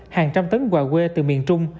hàng trăm tấn quà quê từ miền trung